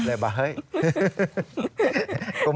โอเคถ้าตามที่ว่าก็โอเค